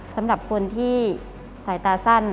สำหรับคนที่สายตาสั้น